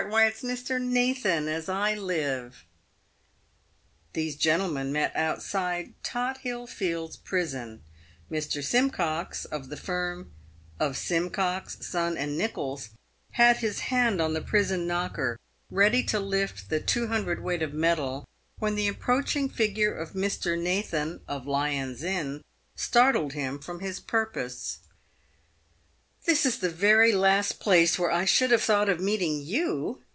why it's Mr. Nathan, as I live !" These gentlemen met outside Tothill fields Prison. Mr. Simcox, of the firm of Simcox, Son, and Nicholls, had his hand on the prison knocker, ready to lift the two hundred weight of metal, when the ap proaching figure of Mr. Nathan, of Lyon's Inn, startled him from his purpose. •« PAVED WITH GOLD. 31 "This is the very last place where I should have thought of meeting you